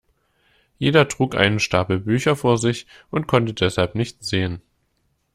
Jeder trug einen Stapel Bücher vor sich und konnte deshalb nichts sehen.